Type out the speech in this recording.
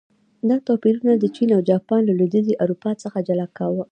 دا توپیرونه چین او جاپان له لوېدیځې اروپا څخه جلا کاوه.